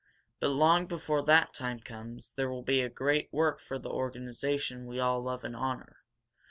But long before that time comes, there will be a great work for the organization we all love and honor.